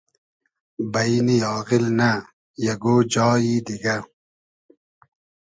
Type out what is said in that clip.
بݷن آغیل نۂ ! یئگۉ جایی دیگۂ